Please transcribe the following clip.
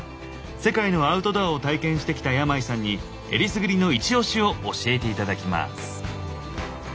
世界のアウトドアを体験してきた山井さんにえりすぐりのイチオシを教えて頂きます。